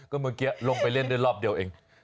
ก็เมื่อกี้ลงไปเล่นได้รอบเดียวเอง